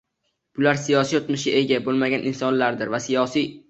Bular siyosiy o‘tmishga ega bo‘lmagan insonlardir va siyosiy